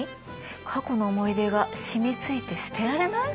過去の思い出が染みついて捨てられない？